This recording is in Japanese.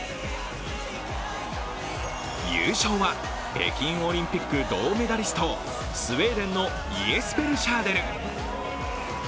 優勝は北京オリンピック銅メダリスト、スウェーデンのイエスペル・シャーデル。